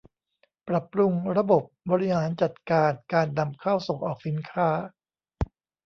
ปรับปรุงระบบบริหารจัดการการนำเข้าส่งออกสินค้า